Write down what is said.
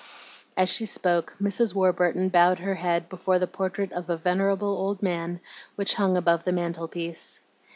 As she spoke, Mrs. Warburton bowed her head before the portrait of a venerable old man which hung above the mantel piece.